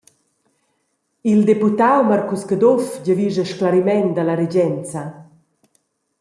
Il deputau Marcus Caduff giavischa sclariment dalla regenza.